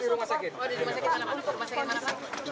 rumah sakit ada di rumah sakit